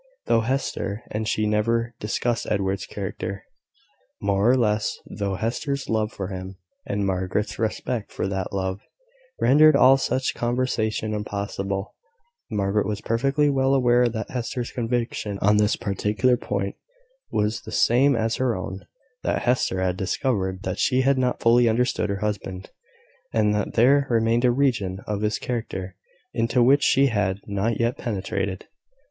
Though Hester and she never discussed Edward's character, more or less though Hester's love for him, and Margaret's respect for that love, rendered all such conversation unpossible, Margaret was perfectly well aware that Hester's conviction on this particular point was the same as her own that Hester had discovered that she had not fully understood her husband, and that there remained a region of his character into which she had not yet penetrated.